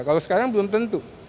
kalau sekarang belum tentu